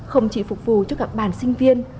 không chỉ phục vụ cho các bàn sinh viên